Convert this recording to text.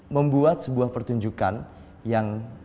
membuat sebuah pertunjukan yang